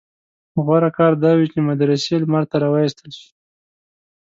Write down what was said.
غوره کار دا وي چې مدرسې لمر ته راوایستل شي.